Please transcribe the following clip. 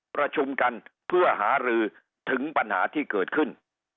ประชุมกันเพื่อหารือถึงปัญหาที่เกิดขึ้น